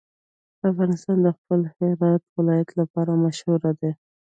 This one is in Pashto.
افغانستان د خپل هرات ولایت لپاره مشهور دی.